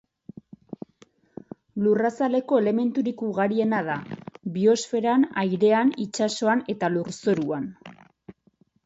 Lurrazaleko elementurik ugariena da, biosferan, airean, itsasoan eta lurzoruan.